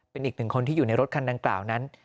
เป็นอีกหนึ่งคนที่อยู่ในรถคันดังกล่าวนั้น